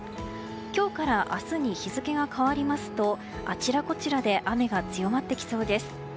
今日から明日に日付が変わりますとあちらこちらで雨が強まってきそうです。